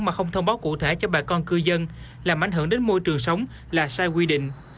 mà không thông báo cụ thể cho bà con cư dân làm ảnh hưởng đến môi trường sống là sai quy định